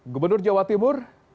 gubernur jawa timur